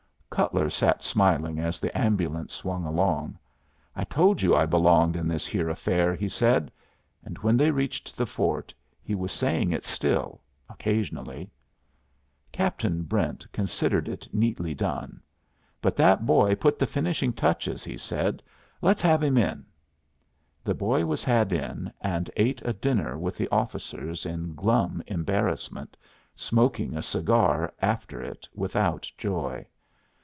Cutler sat smiling as the ambulance swung along. "I told you I belonged in this here affair," he said. And when they reached the fort he was saying it still, occasionally. Captain Brent considered it neatly done. "But that boy put the finishing touches," he said. "Let's have him in." The boy was had in, and ate a dinner with the officers in glum embarrassment, smoking a cigar after it without joy.